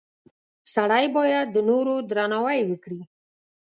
• سړی باید د نورو درناوی وکړي.